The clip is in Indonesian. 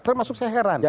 termasuk saya heran